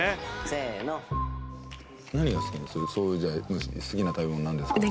もし好きな食べ物なんですか？